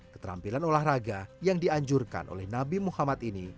keterampilan olahraga yang dianjurkan oleh nabi muhammad ini